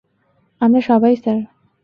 আমরা সবাই, স্যার।